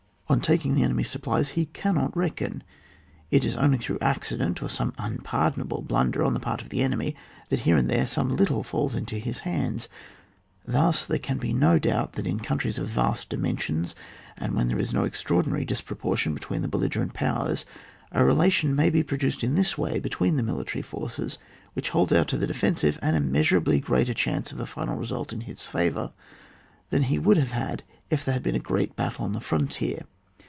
On taking the enemy's supplies he cannot reckon ; it is only through accident, or some unpardonable blunder on the part of the enemy, that here and there some little falls into his hands. Thus there can be no doubt that in countries of vast dimensions, and when there is no extraordinary disproportion between the belligerent powers, a relation may be produced in this way between the military forces, which holds out to the defensive an immeasurably greater chance of a final result in his favour than he would have had if there had been a great battle on the frontier.